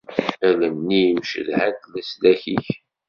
Allen-iw cedhant leslak-ik.